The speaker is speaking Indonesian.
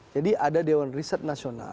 jadi ada dewan riset nasional